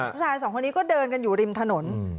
ผู้ชายสองคนนี้ก็เดินกันอยู่ริมถนน